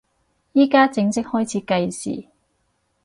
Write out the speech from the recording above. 依家正式開始計時